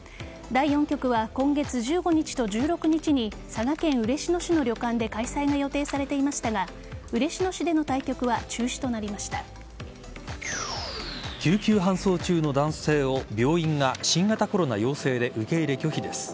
第４局は今月１５日と１６日に佐賀県嬉野市の旅館で開催が予定されていましたが嬉野市での対局は救急搬送中の男性を病院が新型コロナ陽性で受け入れ拒否です。